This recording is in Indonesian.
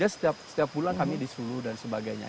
setiap bulan kami disuluh dan sebagainya